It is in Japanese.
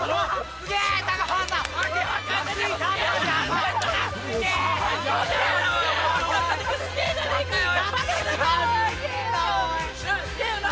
すげえよな！